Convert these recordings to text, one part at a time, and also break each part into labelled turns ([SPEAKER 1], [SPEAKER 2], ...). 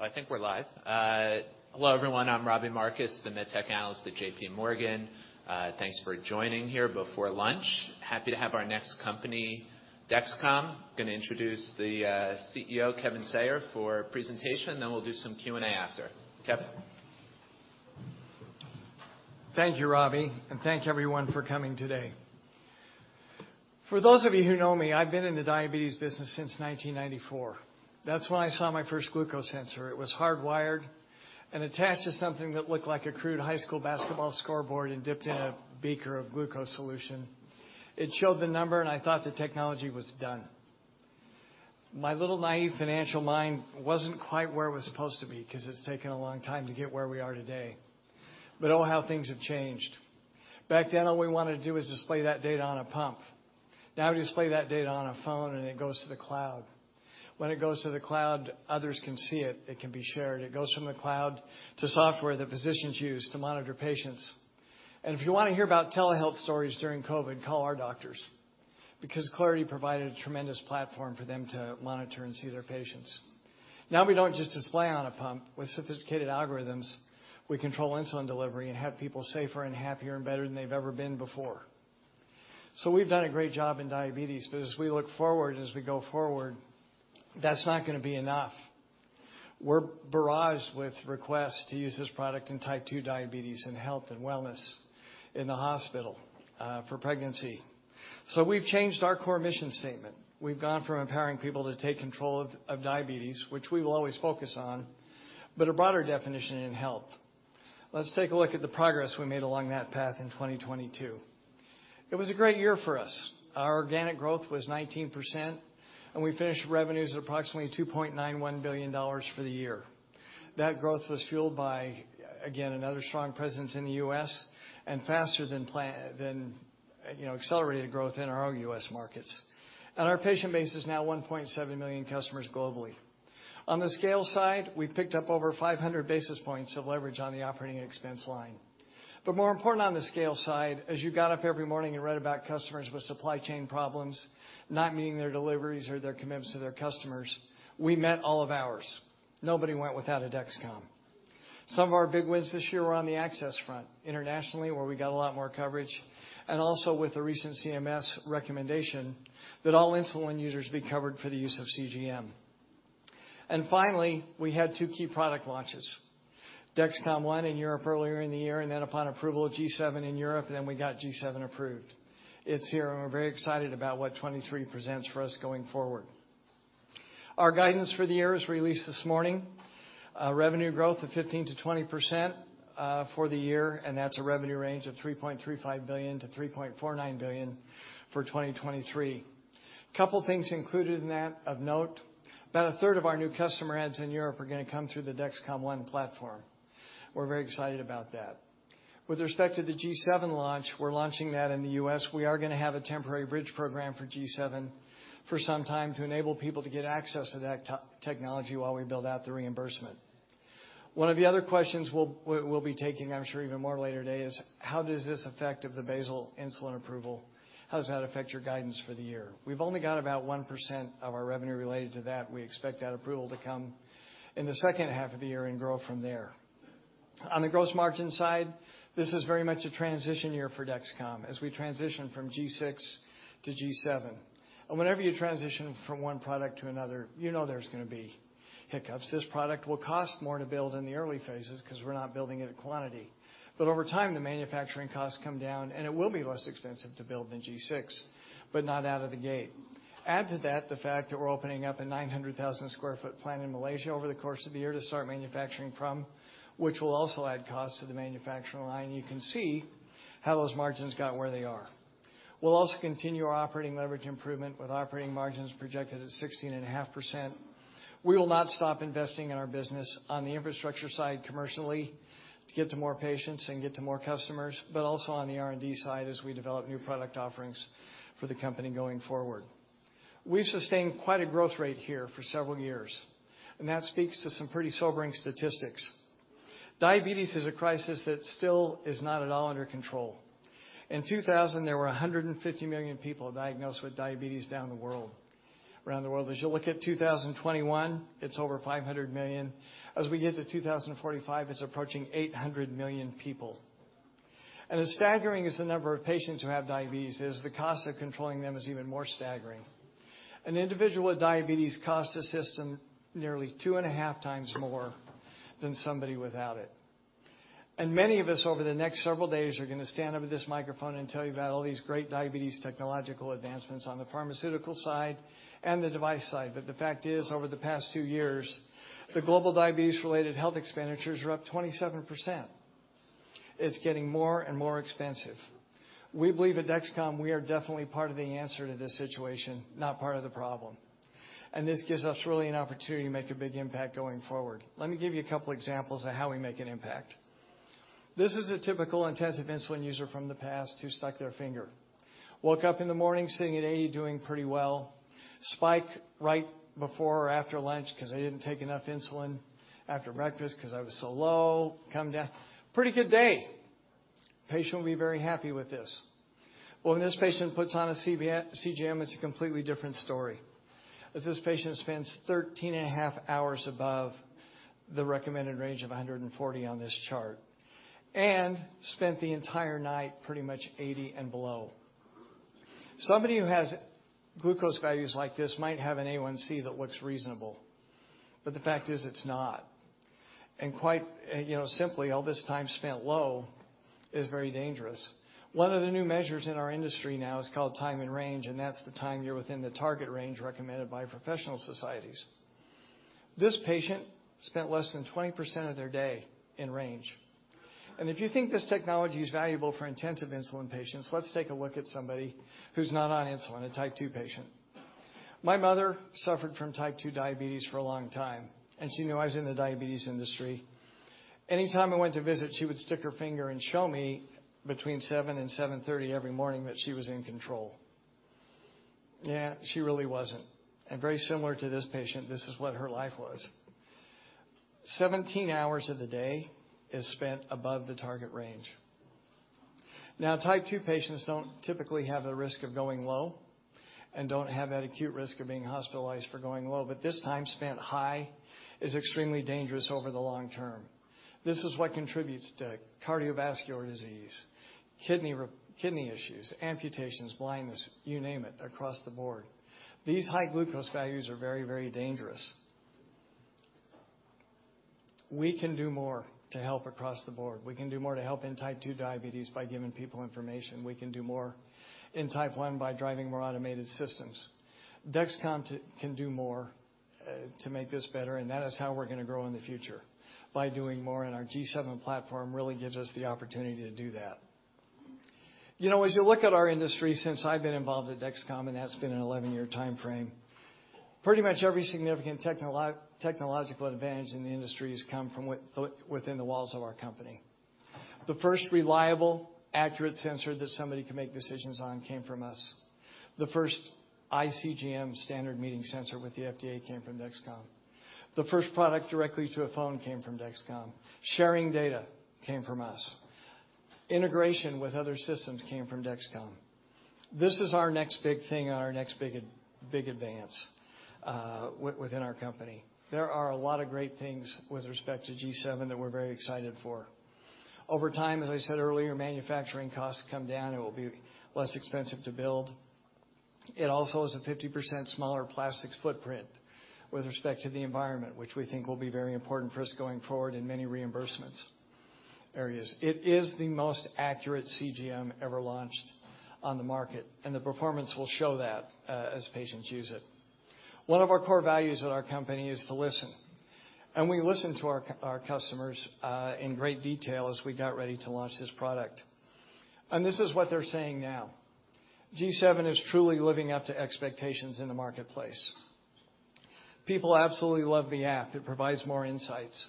[SPEAKER 1] I think we're live. Hello everyone, I'm Robbie Marcus, the Med Tech Analyst at JPMorgan. Thanks for joining here before lunch. Happy to have our next company, Dexcom. Going to introduce the CEO, Kevin Sayer, for presentation, then we'll do some Q&A after. Kevin?
[SPEAKER 2] Thank you, Robbie, thank everyone for coming today. For those of you who know me, I've been in the diabetes business since 1994. That's when I saw my first glucose sensor. It was hardwired and attached to something that looked like a crude high school basketball scoreboard and dipped in a beaker of glucose solution. It showed the number, I thought the technology was done. My little naive financial mind wasn't quite where it was supposed to be 'cause it's taken a long time to get where we are today. Oh, how things have changed. Back then, all we wanted to do is display that data on a pump. Now we display that data on a phone, it goes to the cloud. When it goes to the cloud, others can see it. It can be shared. It goes from the cloud to software that physicians use to monitor patients. If you wanna hear about telehealth stories during COVID, call our doctors because Clarity provided a tremendous platform for them to monitor and see their patients. We don't just display on a pump. With sophisticated algorithms, we control insulin delivery and have people safer and happier and better than they've ever been before. We've done a great job in diabetes, but as we look forward, as we go forward, that's not gonna be enough. We're barraged with requests to use this product in Type 2 diabetes and health and wellness in the hospital for pregnancy. We've changed our core mission statement. We've gone from empowering people to take control of diabetes, which we will always focus on, but a broader definition in health. Let's take a look at the progress we made along that path in 2022. It was a great year for us. Our organic growth was 19%, we finished revenues at approximately $2.91 billion for the year. That growth was fueled by, again, another strong presence in the U.S. and faster than, you know, accelerated growth in our own U.S. markets. Our patient base is now 1.7 million customers globally. On the scale side, we picked up over 500 basis points of leverage on the operating expense line. More important on the scale side, as you got up every morning and read about customers with supply chain problems not meeting their deliveries or their commitments to their customers, we met all of ours. Nobody went without a Dexcom. Some of our big wins this year were on the access front, internationally, where we got a lot more coverage, and also with the recent CMS recommendation that all insulin users be covered for the use of CGM. Finally, we had two key product launches, Dexcom ONE in Europe earlier in the year, and then upon approval of G7 in Europe, then we got G7 approved. It's here, and we're very excited about what 2023 presents for us going forward. Our guidance for the year is released this morning, revenue growth of 15%-20% for the year, and that's a revenue range of $3.35 billion-$3.49 billion for 2023. Couple things included in that of note, about a third of our new customer adds in Europe are gonna come through the Dexcom ONE platform. We're very excited about that. With respect to the G7 launch, we're launching that in the U.S. We are gonna have a temporary bridge program for G7 for some time to enable people to get access to that technology while we build out the reimbursement. One of the other questions we'll be taking, I'm sure even more later today, is how does this affect of the basal insulin approval? How does that affect your guidance for the year? We've only got about 1% of our revenue related to that. We expect that approval to come in the second half of the year and grow from there. On the gross margin side, this is very much a transition year for Dexcom as we transition from G6 to G7. Whenever you transition from one product to another, you know there's gonna be hiccups. This product will cost more to build in the early phases 'cause we're not building it at quantity. Over time, the manufacturing costs come down, and it will be less expensive to build than G6, but not out of the gate. Add to that the fact that we're opening up a 900,000 sq ft plant in Malaysia over the course of the year to start manufacturing from, which will also add cost to the manufacturing line, and you can see how those margins got where they are. We'll also continue our operating leverage improvement with operating margins projected at 16.5%. We will not stop investing in our business on the infrastructure side commercially to get to more patients and get to more customers, but also on the R&D side as we develop new product offerings for the company going forward. We've sustained quite a growth rate here for several years, and that speaks to some pretty sobering statistics. Diabetes is a crisis that still is not at all under control. In 2000, there were 150 million people diagnosed with diabetes around the world. As you look at 2021, it's over 500 million. As we get to 2045, it's approaching 800 million people. As staggering as the number of patients who have diabetes is, the cost of controlling them is even more staggering. An individual with diabetes costs the system nearly 2.5x more than somebody without it. Many of us over the next several days are gonna stand up at this microphone and tell you about all these great diabetes technological advancements on the pharmaceutical side and the device side. The fact is, over the past two years, the global diabetes-related health expenditures are up 27%. It's getting more and more expensive. We believe at Dexcom we are definitely part of the answer to this situation, not part of the problem. This gives us really an opportunity to make a big impact going forward. Let me give you a couple examples of how we make an impact. This is a typical intensive insulin user from the past who stuck their finger. Woke up in the morning, sitting at 80, doing pretty well. Spike right before or after lunch 'cause they didn't take enough insulin after breakfast 'cause I was so low. Come down. Pretty good day. Patient will be very happy with this. When this patient puts on a CGM, it's a completely different story, as this patient spends 13.5 hours above the recommended range of 140 on this chart and spent the entire night pretty much 80 and below. Somebody who has glucose values like this might have an A1C that looks reasonable, but the fact is it's not. Quite, you know, simply, all this time spent low is very dangerous. One of the new measures in our industry now is called Time in Range, and that's the time you're within the target range recommended by professional societies. This patient spent less than 20% of their day in range. If you think this technology is valuable for intensive insulin patients, let's take a look at somebody who's not on insulin, a Type 2 patient. My mother suffered from Type 2 diabetes for a long time. She knew I was in the diabetes industry. Anytime I went to visit, she would stick her finger and show me between 7 and 7:30 A.M. every morning that she was in control. Yeah, she really wasn't. Very similar to this patient, this is what her life was. 17 hours of the day is spent above the target range. Now, Type 2 patients don't typically have the risk of going low and don't have that acute risk of being hospitalized for going low. This time spent high is extremely dangerous over the long term. This is what contributes to cardiovascular disease, kidney issues, amputations, blindness, you name it, across the board. These high glucose values are very dangerous. We can do more to help across the board. We can do more to help in Type 2 diabetes by giving people information. We can do more in Type 1 by driving more automated systems. Dexcom can do more to make this better, that is how we're gonna grow in the future, by doing more, and our G7 platform really gives us the opportunity to do that. You know, as you look at our industry since I've been involved at Dexcom, that's been an 11-year timeframe, pretty much every significant technological advantage in the industry has come from within the walls of our company. The first reliable, accurate sensor that somebody can make decisions on came from us. The first ICGM standard meeting sensor with the FDA came from Dexcom. The first product directly to a phone came from Dexcom. Sharing data came from us. Integration with other systems came from Dexcom. This is our next big thing and our next big advance within our company. There are a lot of great things with respect to G7 that we're very excited for. Over time, as I said earlier, manufacturing costs come down, it will be less expensive to build. It also is a 50% smaller plastics footprint with respect to the environment, which we think will be very important for us going forward in many reimbursements areas. It is the most accurate CGM ever launched on the market, the performance will show that as patients use it. One of our core values at our company is to listen, we listen to our customers in great detail as we got ready to launch this product. This is what they're saying now. G7 is truly living up to expectations in the marketplace. People absolutely love the app. It provides more insights.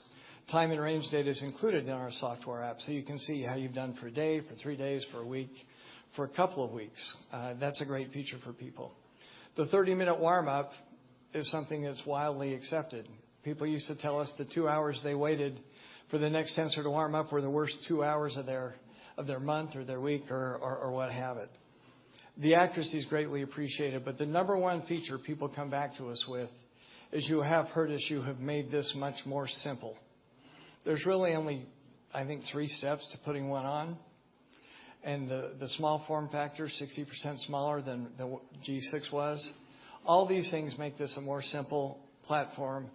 [SPEAKER 2] Time in Range data is included in our software app, so you can see how you've done for a day, for three days, for a week, for a couple of weeks. That's a great feature for people. The 30-minute warm-up is something that's wildly accepted. People used to tell us the two hours they waited for the next sensor to warm up were the worst two hours of their month or their week or what have it. The accuracy is greatly appreciated, but the number one feature people come back to us with is, "You have heard us. You have made this much more simple." There's really only, I think, three steps to putting one on, and the small form factor, 60% smaller than G6 was. All these things make this a more simple platform,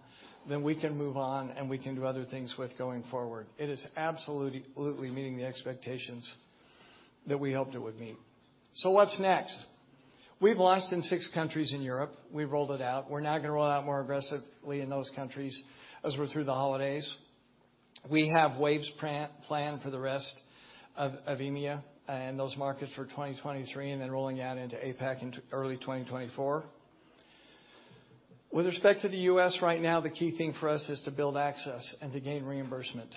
[SPEAKER 2] then we can move on, and we can do other things with going forward. It is absolutely meeting the expectations that we hoped it would meet. What's next? We've launched in six countries in Europe. We've rolled it out. We're now gonna roll out more aggressively in those countries as we're through the holidays. We have waves planned for the rest of EMEA and those markets for 2023, and then rolling out into APAC in early 2024. With respect to the U.S. right now, the key thing for us is to build access and to gain reimbursement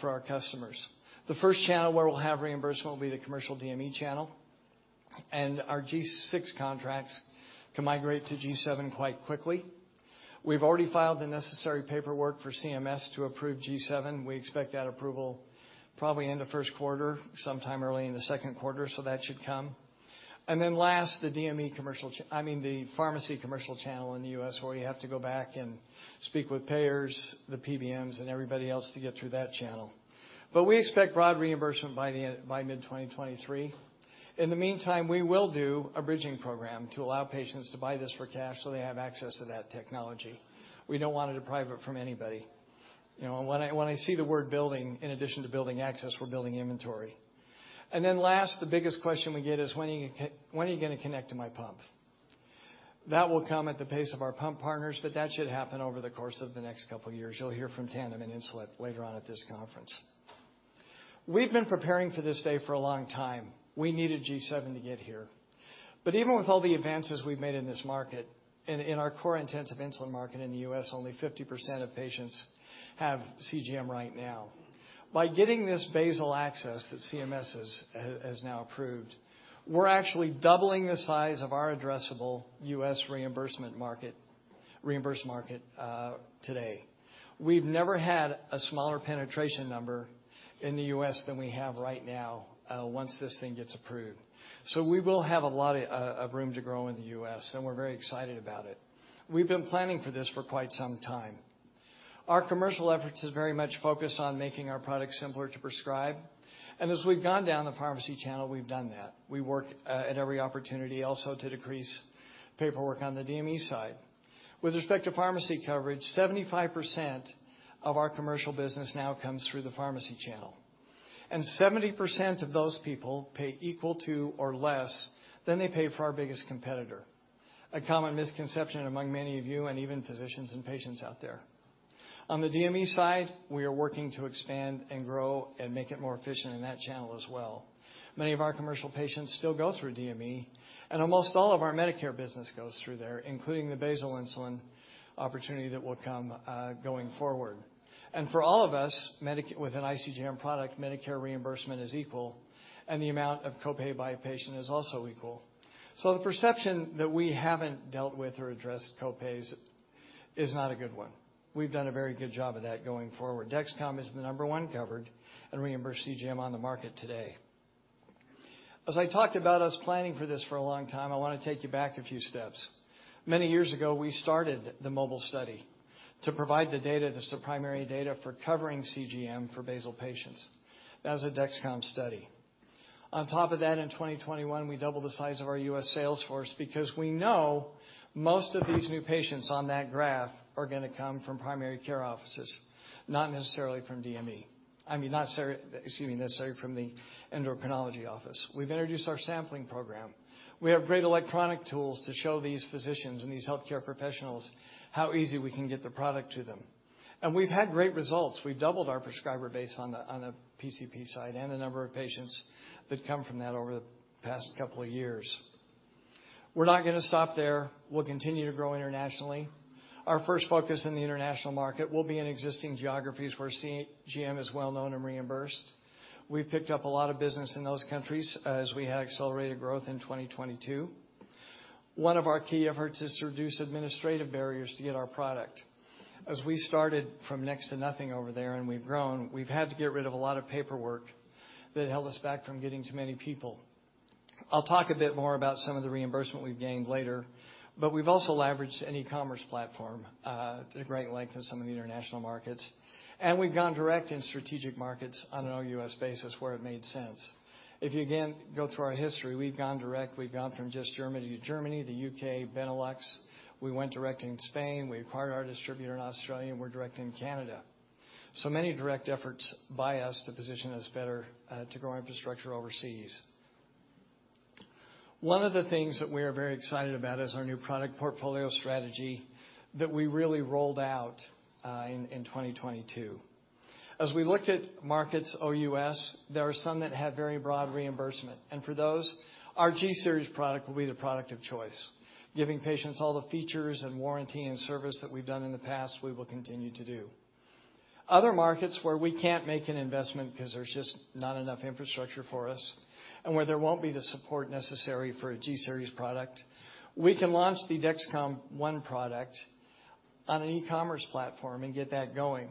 [SPEAKER 2] for our customers. The first channel where we'll have reimbursement will be the commercial DME channel, and our G6 contracts can migrate to G7 quite quickly. We've already filed the necessary paperwork for CMS to approve G7. We expect that approval probably end of first quarter, sometime early in the second quarter, that should come. Last, the DME commercial, I mean, the pharmacy commercial channel in the U.S., where you have to go back and speak with payers, the PBMs, and everybody else to get through that channel. We expect broad reimbursement by mid-2023. In the meantime, we will do a bridging program to allow patients to buy this for cash, they have access to that technology. We don't wanna deprive it from anybody. You know, when I say the word building, in addition to building access, we're building inventory. Last, the biggest question we get is, "When are you gonna connect to my pump?" That will come at the pace of our pump partners, but that should happen over the course of the next couple years. You'll hear from Tandem and Insulet later on at this conference. We've been preparing for this day for a long time. We needed G7 to get here. Even with all the advances we've made in this market, in our core intensive insulin market in the U.S., only 50% of patients have CGM right now. By getting this basal access that CMS has now approved, we're actually doubling the size of our addressable U.S. reimbursement market. Reimbursed market today. We've never had a smaller penetration number in the U.S. than we have right now, once this thing gets approved. We will have a lot of room to grow in the U.S., and we're very excited about it. We've been planning for this for quite some time. Our commercial efforts is very much focused on making our products simpler to prescribe. As we've gone down the pharmacy channel, we've done that. We work at every opportunity also to decrease paperwork on the DME side. With respect to pharmacy coverage, 75% of our commercial business now comes through the pharmacy channel, and 70% of those people pay equal to or less than they pay for our biggest competitor, a common misconception among many of you and even physicians and patients out there. On the DME side, we are working to expand and grow and make it more efficient in that channel as well. Many of our commercial patients still go through DME, and almost all of our Medicare business goes through there, including the basal insulin opportunity that will come going forward. For all of us, with an ICGM product, Medicare reimbursement is equal, and the amount of copay by a patient is also equal. The perception that we haven't dealt with or addressed copays is not a good one. We've done a very good job of that going forward. Dexcom is the number one covered and reimbursed CGM on the market today. I talked about us planning for this for a long time, I wanna take you back a few steps. Many years ago, we started the MOBILE study to provide the data that's the primary data for covering CGM for basal patients. That was a Dexcom study. On top of that, in 2021, we doubled the size of our U.S. sales force because we know most of these new patients on that graph are gonna come from primary care offices, not necessarily from DME. I mean, not necessarily, excuse me, necessarily from the endocrinology office. We've introduced our sampling program. We have great electronic tools to show these physicians and these healthcare professionals how easy we can get the product to them. We've had great results. We've doubled our prescriber base on the PCP side and the number of patients that come from that over the past couple of years. We're not gonna stop there. We'll continue to grow internationally. Our first focus in the international market will be in existing geographies where CGM is well known and reimbursed. We've picked up a lot of business in those countries as we had accelerated growth in 2022. One of our key efforts is to reduce administrative barriers to get our product. We've started from next to nothing over there and we've grown, we've had to get rid of a lot of paperwork that held us back from getting to many people. I'll talk a bit more about some of the reimbursement we've gained later. We've also leveraged an e-commerce platform to great length in some of the international markets, and we've gone direct in strategic markets on an O.U.S. basis where it made sense. If you again go through our history, we've gone direct. We've gone from just Germany to Germany, the U.K., Benelux. We went direct in Spain. We acquired our distributor in Australia. We're direct in Canada. Many direct efforts by us to position us better, to grow infrastructure overseas. One of the things that we are very excited about is our new product portfolio strategy that we really rolled out in 2022. As we looked at markets O.U.S., there are some that have very broad reimbursement. For those, our G-Series product will be the product of choice, giving patients all the features and warranty and service that we've done in the past, we will continue to do. Other markets where we can't make an investment 'cause there's just not enough infrastructure for us and where there won't be the support necessary for a G-Series product, we can launch the Dexcom ONE product on an e-commerce platform and get that going.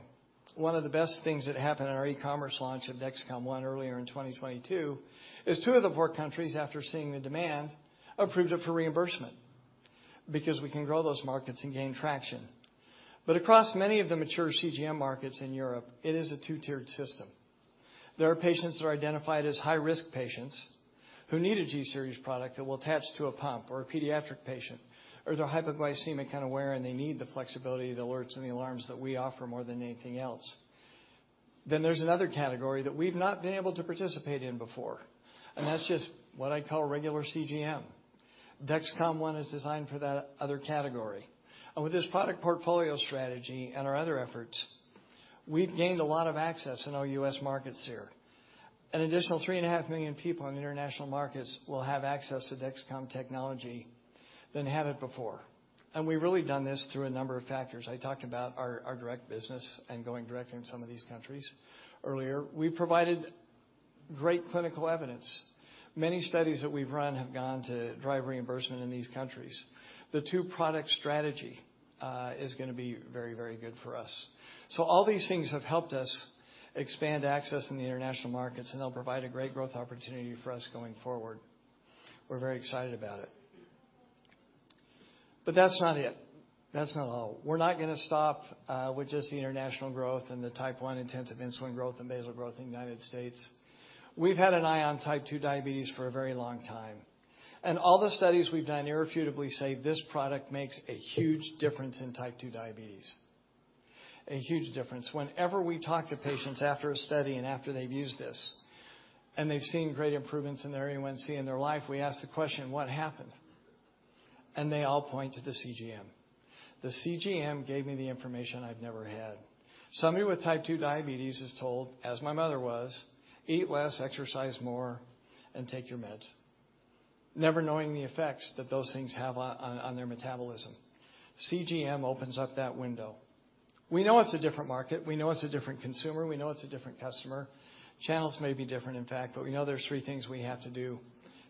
[SPEAKER 2] One of the best things that happened in our e-commerce launch of Dexcom ONE earlier in 2022 is two of the four countries, after seeing the demand, approved it for reimbursement because we can grow those markets and gain traction. Across many of the mature CGM markets in Europe, it is a two-tiered system. There are patients that are identified as high-risk patients who need a G-Series product that will attach to a pump or a pediatric patient, or they're hypoglycemic unaware, and they need the flexibility, the alerts and the alarms that we offer more than anything else. There's another category that we've not been able to participate in before, and that's just what I call regular CGM. Dexcom ONE is designed for that other category. With this product portfolio strategy and our other efforts, we've gained a lot of access in our U.S. markets here. An additional 3.5 million people in the international markets will have access to Dexcom technology than had it before. We've really done this through a number of factors. I talked about our direct business and going direct in some of these countries earlier. We provided great clinical evidence. Many studies that we've run have gone to drive reimbursement in these countries. The two-product strategy is gonna be very good for us. All these things have helped us expand access in the international markets, and they'll provide a great growth opportunity for us going forward. We're very excited about it. That's not it. That's not all. We're not gonna stop with just the international growth and the Type 1 intensive insulin growth and basal growth in the United States. We've had an eye on Type 2 diabetes for a very long time. All the studies we've done irrefutably say this product makes a huge difference in Type 2 diabetes. A huge difference. Whenever we talk to patients after a study and after they've used this, and they've seen great improvements in their A1C and their life, we ask the question, "What happened?" They all point to the CGM. "The CGM gave me the information I've never had." Somebody with Type 2 diabetes is told, as my mother was, "Eat less, exercise more, and take your meds," never knowing the effects that those things have on their metabolism. CGM opens up that window. We know it's a different market. We know it's a different consumer. We know it's a different customer. Channels may be different, in fact, we know there's three things we have to do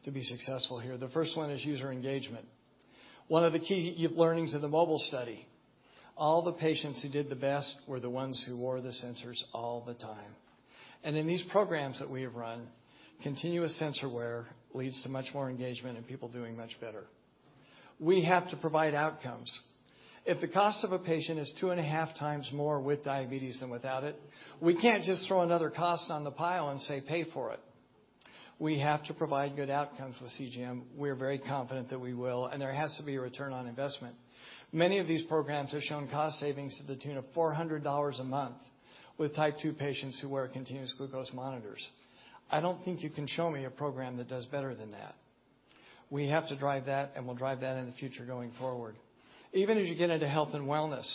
[SPEAKER 2] to be successful here. The first one is user engagement. One of the key learnings of the MOBILE study, all the patients who did the best were the ones who wore the sensors all the time. In these programs that we have run, continuous sensor wear leads to much more engagement and people doing much better. We have to provide outcomes. If the cost of a patient is 2.5x more with diabetes than without it, we can't just throw another cost on the pile and say, "Pay for it." We have to provide good outcomes with CGM. We're very confident that we will, and there has to be a return on investment. Many of these programs have shown cost savings to the tune of $400 a month with Type 2 patients who wear continuous glucose monitors. I don't think you can show me a program that does better than that. We have to drive that, and we'll drive that in the future going forward. Even as you get into health and wellness,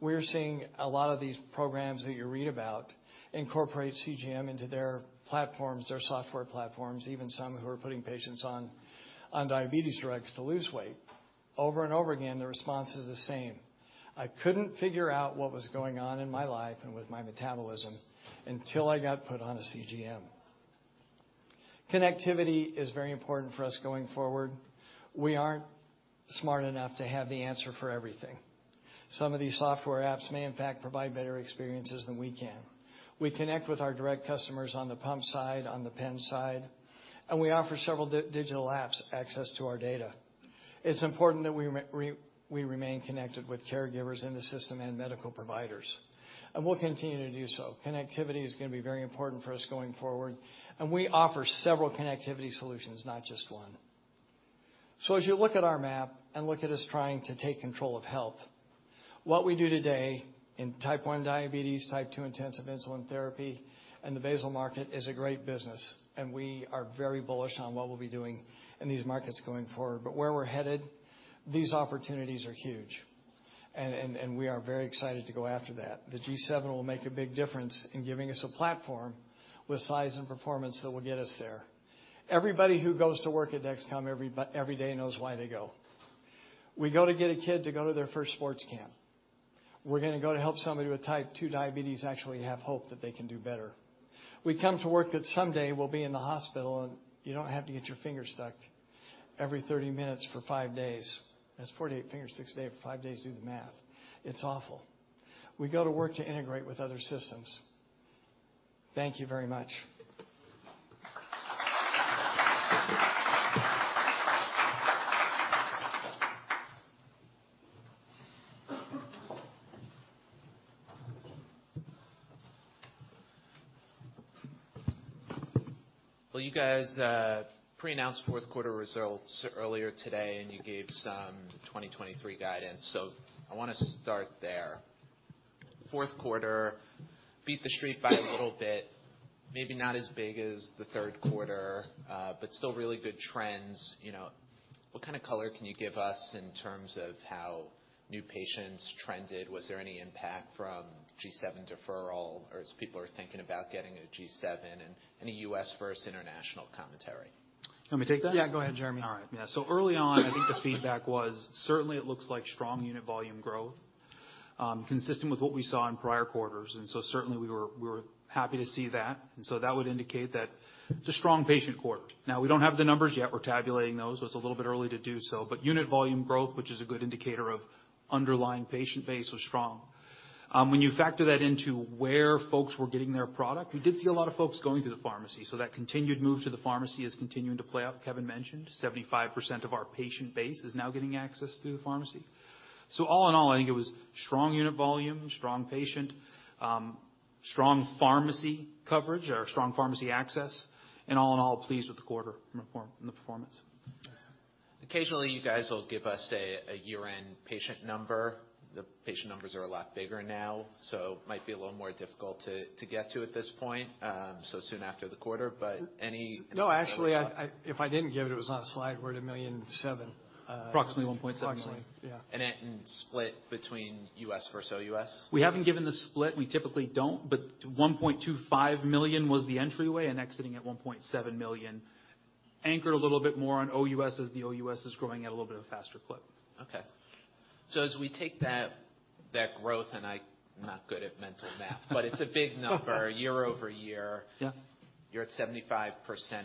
[SPEAKER 2] we're seeing a lot of these programs that you read about incorporate CGM into their platforms, their software platforms, even some who are putting patients on diabetes drugs to lose weight. Over and over again, the response is the same: "I couldn't figure out what was going on in my life and with my metabolism until I got put on a CGM." Connectivity is very important for us going forward. We aren't smart enough to have the answer for everything. Some of these software apps may, in fact, provide better experiences than we can. We connect with our direct customers on the pump side, on the pen side, and we offer several digital apps access to our data. It's important that we remain connected with caregivers in the system and medical providers, and we'll continue to do so. Connectivity is gonna be very important for us going forward, and we offer several connectivity solutions, not just one. As you look at our map and look at us trying to take control of health, what we do today in Type 1 diabetes, Type 2 intensive insulin therapy, and the basal market is a great business, and we are very bullish on what we'll be doing in these markets going forward. Where we're headed, these opportunities are huge, and we are very excited to go after that. The G7 will make a big difference in giving us a platform with size and performance that will get us there. Everybody who goes to work at Dexcom every day knows why they go. We go to get a kid to go to their first sports camp. We're gonna go to help somebody with Type 2 diabetes actually have hope that they can do better. We come to work that someday will be in the hospital, and you don't have to get your finger stuck every 30 minutes for five days. That's 48 fingers, six days for five days. Do the math. It's awful. We go to work to integrate with other systems. Thank you very much.
[SPEAKER 1] Well, you guys, pre-announced fourth quarter results earlier today, and you gave some 2023 guidance, so I wanna start there. Fourth quarter beat the street by a little bit, maybe not as big as the third quarter, but still really good trends. You know, what kind of color can you give us in terms of how new patients trended? Was there any impact from G7 deferral, or as people are thinking about getting a G7, any U.S. versus international commentary?
[SPEAKER 3] You want me take that?
[SPEAKER 2] Yeah, go ahead, Jereme.
[SPEAKER 3] All right. Yeah. Early on, I think the feedback was certainly it looks like strong unit volume growth, consistent with what we saw in prior quarters. Certainly we were happy to see that. That would indicate that it's a strong patient quarter. Now, we don't have the numbers yet. We're tabulating those. It's a little bit early to do so. But unit volume growth, which is a good indicator of underlying patient base, was strong. When you factor that into where folks were getting their product, we did see a lot of folks going to the pharmacy. That continued move to the pharmacy is continuing to play out. Kevin mentioned 75% of our patient base is now getting access through the pharmacy. All in all, I think it was strong unit volume, strong patient, strong pharmacy coverage or strong pharmacy access, and all in all, pleased with the quarter and the performance.
[SPEAKER 1] Occasionally you guys will give us a year-end patient number. The patient numbers are a lot bigger now, so might be a little more difficult to get to at this point, so soon after the quarter. any-.
[SPEAKER 2] No, actually, I if I didn't give it was on a slide. We're at 1,000,007.
[SPEAKER 3] Approximately 1.2 million.
[SPEAKER 2] Approximately, yeah.
[SPEAKER 1] Split between U.S. versus O.U.S.?
[SPEAKER 3] We haven't given the split. We typically don't. $1.25 million was the entryway and exiting at $1.7 million, anchored a little bit more on O.U.S. as the O.U.S. is growing at a little bit of a faster clip.
[SPEAKER 1] As we take that growth, and I'm not good at mental math, but it's a big number year-over-year.
[SPEAKER 3] Yeah.
[SPEAKER 1] You're at 75%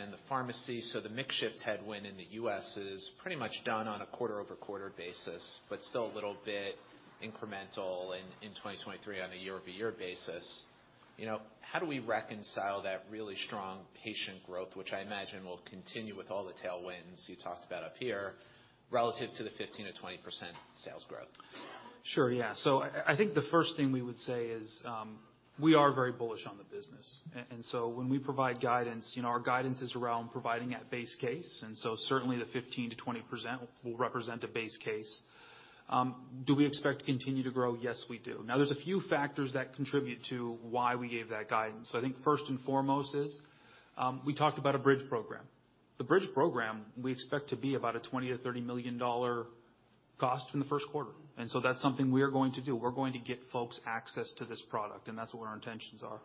[SPEAKER 1] in the pharmacy. The mix shift headwind in the U.S. is pretty much done on a quarter-over-quarter basis, but still a little bit incremental in 2023 on a year-over-year basis. You know, how do we reconcile that really strong patient growth, which I imagine will continue with all the tailwinds you talked about up here, relative to the 15%-20% sales growth?
[SPEAKER 3] Sure, yeah. I think the first thing we would say is, we are very bullish on the business. When we provide guidance, you know, our guidance is around providing at base case, certainly the 15%-20% will represent a base case. Do we expect to continue to grow? Yes, we do. There's a few factors that contribute to why we gave that guidance. I think first and foremost is, we talked about a bridge program. The bridge program we expect to be about a $20 million-$30 million cost in the first quarter. That's something we are going to do. We're going to get folks access to this product, that's what our intentions are.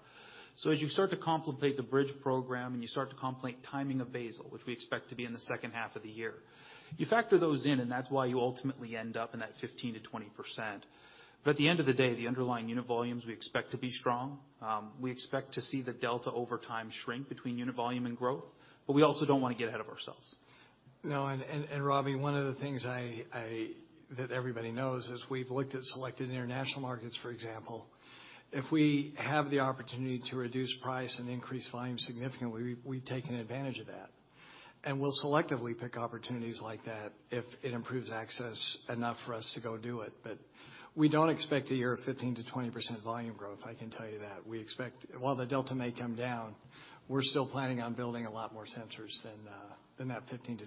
[SPEAKER 3] As you start to contemplate the bridge program, and you start to contemplate timing of basal, which we expect to be in the second half of the year, you factor those in, and that's why you ultimately end up in that 15%-20%. At the end of the day, the underlying unit volumes we expect to be strong. We expect to see the delta over time shrink between unit volume and growth, but we also don't wanna get ahead of ourselves.
[SPEAKER 2] No, and Robbie, one of the things that everybody knows is we've looked at selected international markets, for example. If we have the opportunity to reduce price and increase volume significantly, we've taken advantage of that. We'll selectively pick opportunities like that if it improves access enough for us to go do it. We don't expect a year of 15%-20% volume growth, I can tell you that. We expect. While the delta may come down, we're still planning on building a lot more sensors than that 15%-20%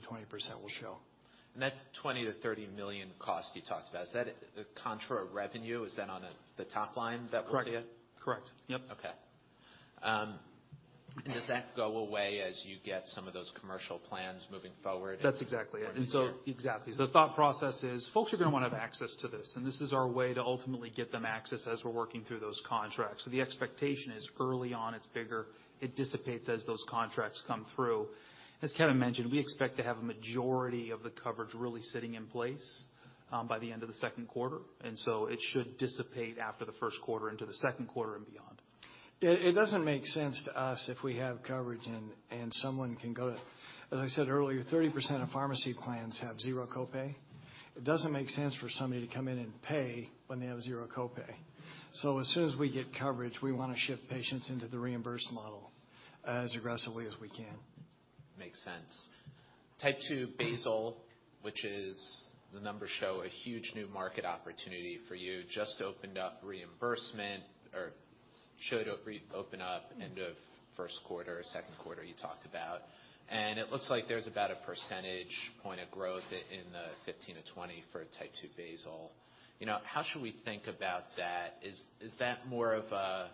[SPEAKER 2] will show.
[SPEAKER 1] That $20 million-$30 million cost you talked about, is that contra revenue? Is that on the top line that we'll see it?
[SPEAKER 3] Right. Correct. Yep.
[SPEAKER 1] Okay. Does that go away as you get some of those commercial plans moving forward into the new year?
[SPEAKER 3] That's exactly it. Exactly. The thought process is, folks are gonna wanna have access to this. This is our way to ultimately get them access as we're working through those contracts. The expectation is early on, it's bigger. It dissipates as those contracts come through. As Kevin mentioned, we expect to have a majority of the coverage really sitting in place by the end of the second quarter. It should dissipate after the first quarter into the second quarter and beyond.
[SPEAKER 2] It doesn't make sense to us if we have coverage and someone can go to. As I said earlier, 30% of pharmacy plans have zero copay. It doesn't make sense for somebody to come in and pay when they have zero copay. As soon as we get coverage, we wanna shift patients into the reimbursed model as aggressively as we can.
[SPEAKER 1] Makes sense. Type 2 basal, which is the numbers show a huge new market opportunity for you, just opened up reimbursement or should re-open up end of first quarter or second quarter, you talked about. It looks like there's about a percentage point of growth in 15%-20% for Type 2 basal. You know, how should we think about that? Is that more of a,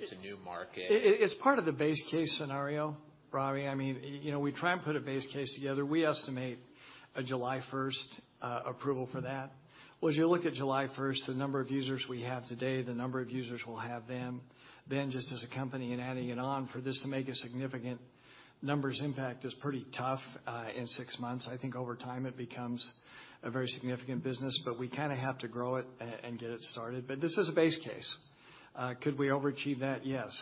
[SPEAKER 1] it's a new market?
[SPEAKER 2] It's part of the base case scenario, Robbie. I mean, you know, we try and put a base case together. We estimate a July first approval for that. As you look at July first, the number of users we have today, the number of users we'll have then just as a company and adding it on, for this to make a significant numbers impact is pretty tough in six months. I think over time, it becomes a very significant business, but we kinda have to grow it and get it started. This is a base case. Could we overachieve that? Yes.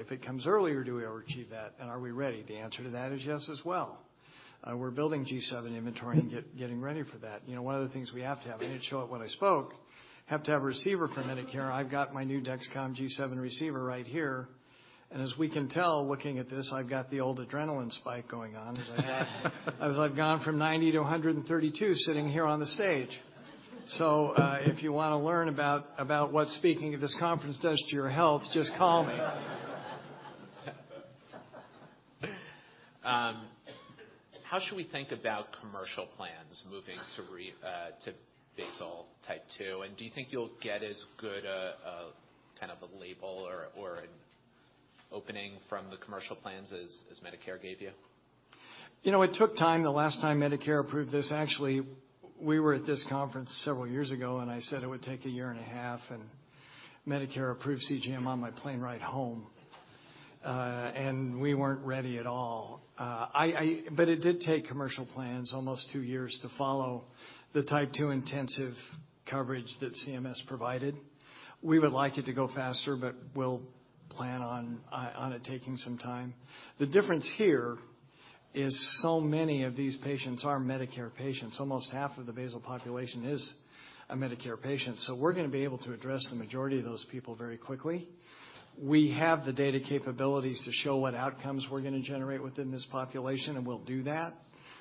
[SPEAKER 2] If it comes earlier, do we overachieve that? Are we ready? The answer to that is yes as well. We're building G7 inventory and getting ready for that. You know, one of the things we have to have, I didn't show it when I spoke, have to have a receiver from Medicare. I've got my new Dexcom G7 receiver right here. As we can tell, looking at this, I've got the old adrenaline spike going on as I've gone from 90 to 132 sitting here on the stage. If you wanna learn about what speaking at this conference does to your health, just call me.
[SPEAKER 1] How should we think about commercial plans moving to basal Type 2? Do you think you'll get as good a kind of a label or an opening from the commercial plans as Medicare gave you?
[SPEAKER 2] You know, it took time. The last time Medicare approved this, actually, we were at this conference several years ago, and I said it would take a year and a half, and Medicare approved CGM on my plane ride home. We weren't ready at all. It did take commercial plans almost two years to follow the Type 2 intensive coverage that CMS provided. We would like it to go faster. We'll plan on it taking some time. The difference here is so many of these patients are Medicare patients. Almost half of the basal population is a Medicare patient. We're gonna be able to address the majority of those people very quickly. We have the data capabilities to show what outcomes we're gonna generate within this population, and we'll do that.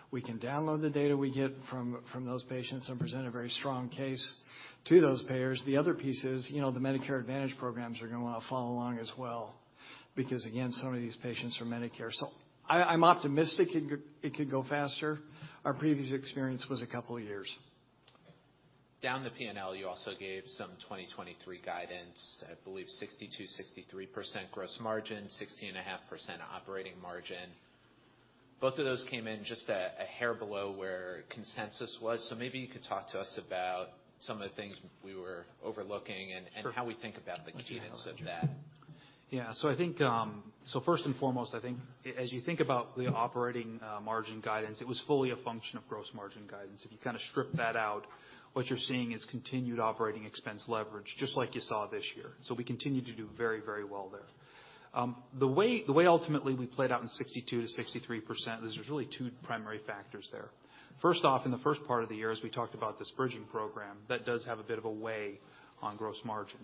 [SPEAKER 2] We can download the data we get from those patients and present a very strong case to those payers. The other piece is, you know, the Medicare Advantage programs are gonna wanna follow along as well because, again, some of these patients are Medicare. I'm optimistic it could go faster. Our previous experience was a couple of years.
[SPEAKER 1] Down the P&L, you also gave some 2023 guidance, I believe 62%-63% gross margin, 16.5% operating margin. Both of those came in just a hair below where consensus was. Maybe you could talk to us about some of the things we were overlooking and how we think about the keyness of that.
[SPEAKER 3] Yeah. I think first and foremost, I think as you think about the operating margin guidance, it was fully a function of gross margin guidance. If you kinda strip that out, what you're seeing is continued operating expense leverage, just like you saw this year. We continue to do very, very well there. The way ultimately we played out in 62%-63% is there's really two primary factors there. First off, in the first part of the year, as we talked about this bridging program, that does have a bit of a weight on gross margin.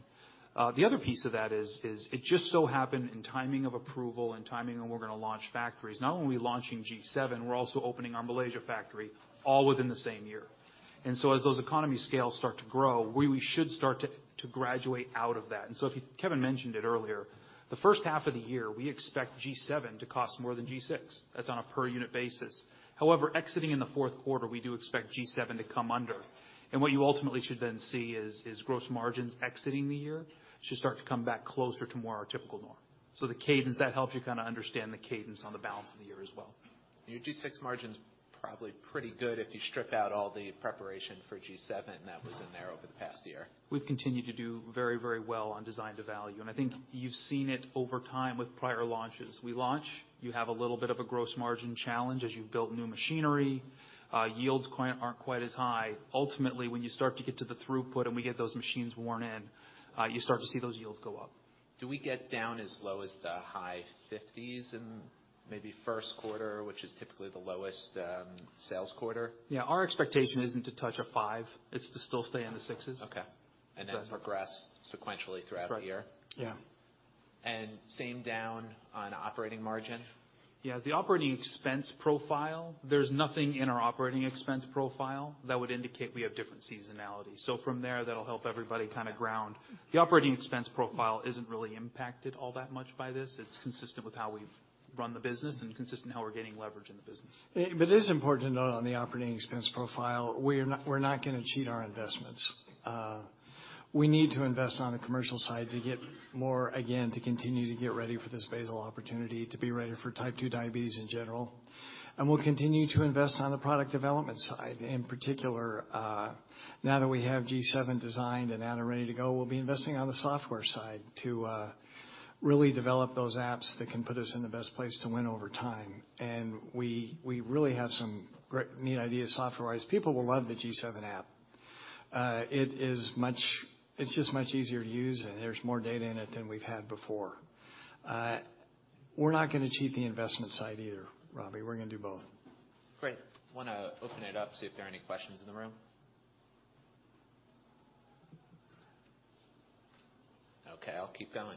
[SPEAKER 3] The other piece of that is it just so happened in timing of approval and timing when we're gonna launch factories, not only are we launching G7, we're also opening our Malaysia factory all within the same year. As those economy scales start to grow, we should start to graduate out of that. Kevin mentioned it earlier, the first half of the year, we expect G7 to cost more than G6. That's on a per unit basis. However, exiting in the fourth quarter, we do expect G7 to come under. What you ultimately should then see is gross margins exiting the year should start to come back closer to more our typical norm. The cadence, that helps you kind of understand the cadence on the balance of the year as well.
[SPEAKER 1] Your G6 margin's probably pretty good if you strip out all the preparation for G7 that was in there over the past year.
[SPEAKER 3] We've continued to do very, very well on design to value, and I think you've seen it over time with prior launches. We launch, you have a little bit of a gross margin challenge as you've built new machinery. Yields aren't quite as high. Ultimately, when you start to get to the throughput, and we get those machines worn in, you start to see those yields go up.
[SPEAKER 1] Do we get down as low as the high 50s in maybe first quarter, which is typically the lowest sales quarter?
[SPEAKER 3] Yeah. Our expectation isn't to touch a five. It's to still stay in the sixes.
[SPEAKER 1] Okay.
[SPEAKER 3] But-
[SPEAKER 1] Progress sequentially throughout the year?
[SPEAKER 3] Right. Yeah.
[SPEAKER 1] Same down on operating margin?
[SPEAKER 3] Yeah. The operating expense profile, there's nothing in our operating expense profile that would indicate we have different seasonality. From there, that'll help everybody kind of ground. The operating expense profile isn't really impacted all that much by this. It's consistent with how we've run the business and consistent how we're getting leverage in the business.
[SPEAKER 2] It is important to note on the operating expense profile, we're not gonna cheat our investments. We need to invest on the commercial side to get more, again, to continue to get ready for this basal opportunity, to be ready for Type 2 diabetes in general. We'll continue to invest on the product development side. In particular, now that we have G7 designed and out and ready to go, we'll be investing on the software side to really develop those apps that can put us in the best place to win over time. We really have some great, neat ideas software-wise. People will love the G7 app. It's just much easier to use, and there's more data in it than we've had before. We're not gonna cheat the investment side either, Robbie. We're gonna do both.
[SPEAKER 1] Great. Wanna open it up, see if there are any questions in the room. Okay, I'll keep going.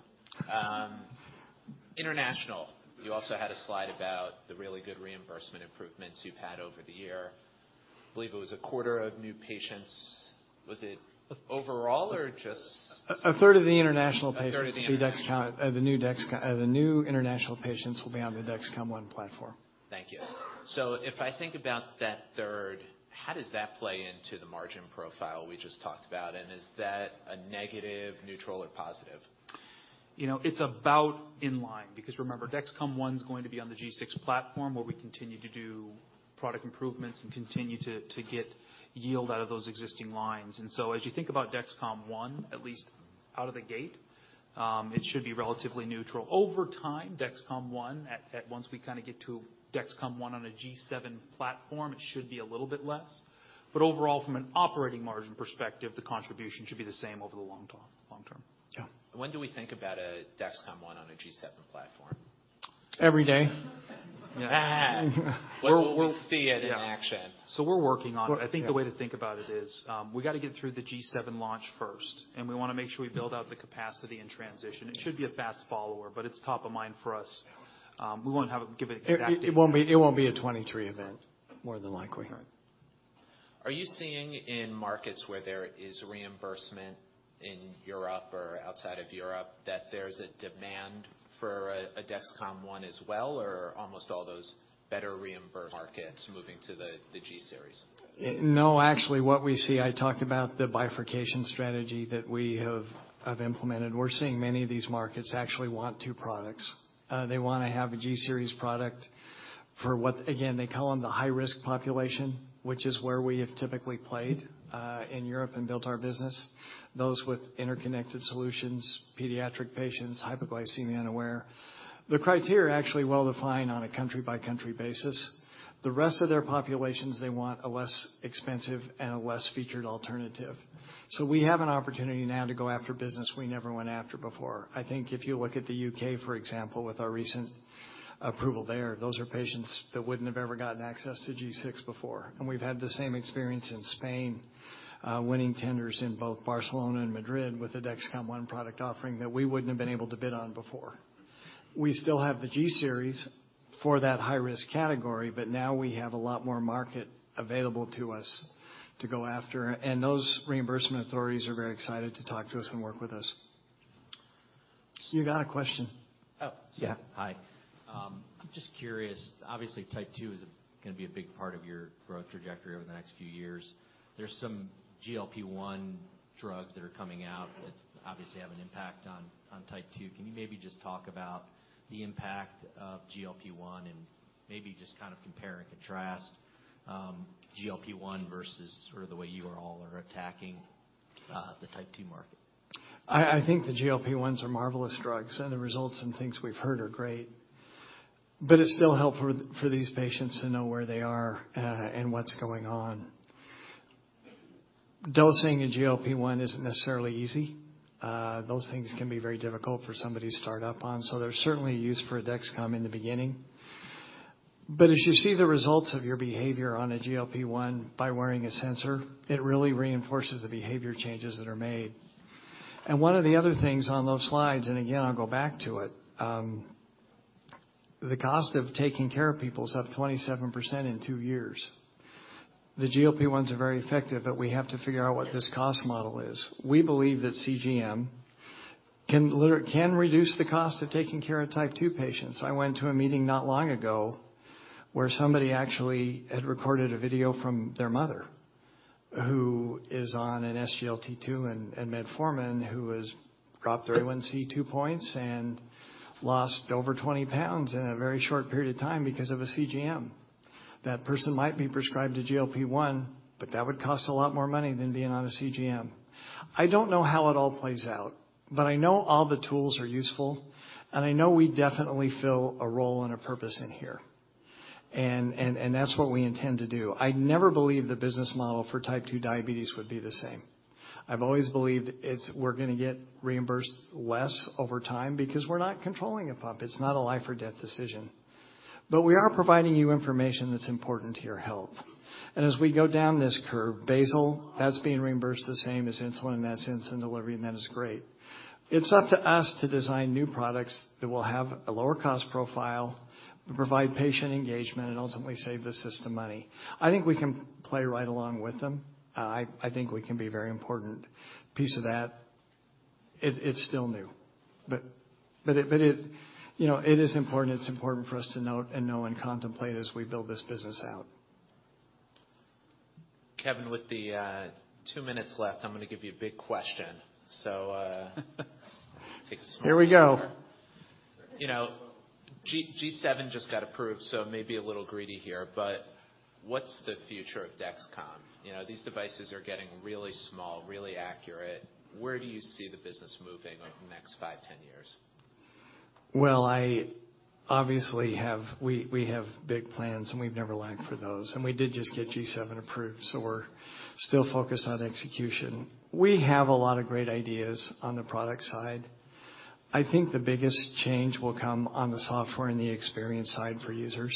[SPEAKER 1] international, you also had a slide about the really good reimbursement improvements you've had over the year. Believe it was a quarter of new patients. Was it overall or just...
[SPEAKER 2] 1/3 of the international patients-
[SPEAKER 1] 1/3 of the international
[SPEAKER 2] the new international patients will be on the Dexcom One platform.
[SPEAKER 1] Thank you. If I think about that third, how does that play into the margin profile we just talked about? Is that a negative, neutral, or positive?
[SPEAKER 3] You know, it's about in line because remember, Dexcom ONE's going to be on the G6 platform, where we continue to do product improvements and continue to get yield out of those existing lines. As you think about Dexcom ONE, at least out of the gate, it should be relatively neutral. Over time, Dexcom ONE at once we kinda get to Dexcom ONE on a G7 platform, it should be a little bit less. Overall, from an operating margin perspective, the contribution should be the same over the long term.
[SPEAKER 2] Yeah.
[SPEAKER 1] When do we think about a Dexcom ONE on a G7 platform?
[SPEAKER 2] Every day.
[SPEAKER 1] When will we see it in action?
[SPEAKER 3] Yeah. We're working on it.
[SPEAKER 2] Yeah.
[SPEAKER 3] I think the way to think about it is, we gotta get through the G7 launch first, we wanna make sure we build out the capacity and transition. It should be a fast follower, but it's top of mind for us. We won't give an exact date.
[SPEAKER 2] It won't be a 2023 event, more than likely.
[SPEAKER 3] Right.
[SPEAKER 1] Are you seeing in markets where there is reimbursement in Europe or outside of Europe that there's a demand for a Dexcom ONE as well, or almost all those better reimbursed markets moving to the G-Series?
[SPEAKER 2] No. Actually, what we see, I talked about the bifurcation strategy that we have implemented. We're seeing many of these markets actually want two products. They wanna have a G-Series product for what, again, they call them the high-risk population, which is where we have typically played, in Europe and built our business. Those with interconnected solutions, pediatric patients, hypoglycemia unaware. The criteria are actually well defined on a country-by-country basis. The rest of their populations, they want a less expensive and a less featured alternative. We have an opportunity now to go after business we never went after before. I think if you look at the U.K., for example, with our recent approval there, those are patients that wouldn't have ever gotten access to G6 before. We've had the same experience in Spain, winning tenders in both Barcelona and Madrid with the Dexcom ONE product offering that we wouldn't have been able to bid on before. We still have the G-Series for that high-risk category. Now we have a lot more market available to us to go after. Those reimbursement authorities are very excited to talk to us and work with us. You got a question.
[SPEAKER 1] Oh.
[SPEAKER 2] Yeah.
[SPEAKER 4] Hi. I'm just curious. Obviously, Type 2 is gonna be a big part of your growth trajectory over the next few years. There's some GLP-1 drugs that are coming out that obviously have an impact on Type 2. Can you maybe just talk about the impact of GLP-1 and maybe just kind of compare and contrast, GLP-1 versus sort of the way you all are attacking the Type 2 market?
[SPEAKER 2] I think the GLP-1s are marvelous drugs, and the results and things we've heard are great. It's still helpful for these patients to know where they are and what's going on. Dosing a GLP-1 isn't necessarily easy. Those things can be very difficult for somebody to start up on, so there's certainly a use for a Dexcom in the beginning. As you see the results of your behavior on a GLP-1 by wearing a sensor, it really reinforces the behavior changes that are made. One of the other things on those slides, and again, I'll go back to it, the cost of taking care of people is up 27% in two years. The GLP-1s are very effective. We have to figure out what this cost model is. We believe that CGM can reduce the cost of taking care of Type 2 patients. I went to a meeting not long ago where somebody actually had recorded a video from their mother who is on an SGLT2 and metformin who has dropped their A1c two points and lost over 20 pounds in a very short period of time because of a CGM. That person might be prescribed a GLP-1, but that would cost a lot more money than being on a CGM. I don't know how it all plays out, but I know all the tools are useful, and I know we definitely fill a role and a purpose in here. That's what we intend to do. I never believed the business model for Type 2 diabetes would be the same. I've always believed we're gonna get reimbursed less over time because we're not controlling a pump. It's not a life or death decision. We are providing you information that's important to your health. As we go down this curve, basal, that's being reimbursed the same as insulin and that's insulin delivery, and that is great. It's up to us to design new products that will have a lower cost profile, but provide patient engagement and ultimately save the system money. I think we can play right along with them. I think we can be a very important piece of that. It's still new, but it, you know, it is important. It's important for us to note and know and contemplate as we build this business out.
[SPEAKER 1] Kevin, with the two minutes left, I'm gonna give you a big question. Take a small one.
[SPEAKER 2] Here we go.
[SPEAKER 1] You know, G7 just got approved. It may be a little greedy here, what's the future of Dexcom? You know, these devices are getting really small, really accurate. Where do you see the business moving over the next five, 10 years?
[SPEAKER 2] We have big plans, and we've never lacked for those. We did just get G7 approved, so we're still focused on execution. We have a lot of great ideas on the product side. I think the biggest change will come on the software and the experience side for users.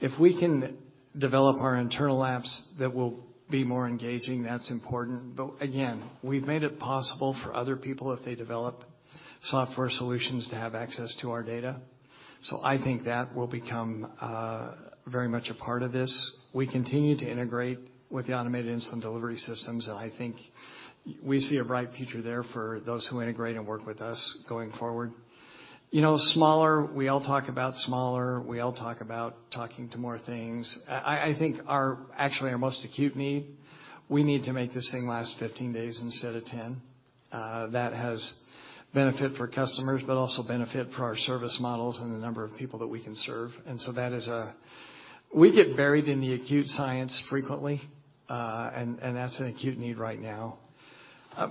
[SPEAKER 2] If we can develop our internal apps that will be more engaging, that's important. Again, we've made it possible for other people if they develop software solutions to have access to our data. I think that will become very much a part of this. We continue to integrate with the Automated Insulin Delivery systems, and I think we see a bright future there for those who integrate and work with us going forward. You know, smaller, we all talk about talking to more things. I think actually our most acute need, we need to make this thing last 15 days instead of 10. That has benefit for customers, but also benefit for our service models and the number of people that we can serve. That is. We get buried in the acute science frequently, and that's an acute need right now. You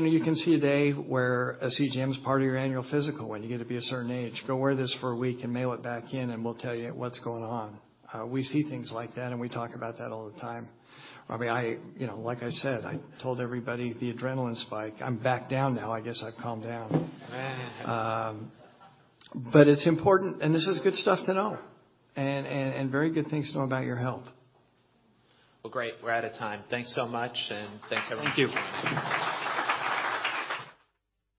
[SPEAKER 2] know, you can see a day where a CGM is part of your annual physical when you get to be a certain age. Go wear this for a week and mail it back in, and we'll tell you what's going on. We see things like that, and we talk about that all the time. I mean, I, you know, like I said, I told everybody the adrenaline spike. I'm back down now. I guess I've calmed down. It's important and this is good stuff to know, and very good things to know about your health.
[SPEAKER 1] Well, great. We're out of time. Thanks so much, and thanks everyone.
[SPEAKER 2] Thank you.